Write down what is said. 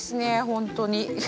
本当に。